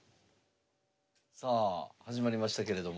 さあ始まりましたけれども。